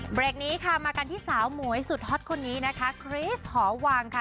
เบรกนี้ค่ะมากันที่สาวหมวยสุดฮอตคนนี้นะคะคริสหอวังค่ะ